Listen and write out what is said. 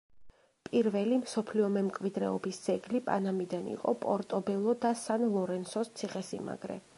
პირველი მსოფლიო მემკვიდრეობის ძეგლი პანამიდან იყო პორტობელო და სან-ლორენსოს ციხესიმაგრე.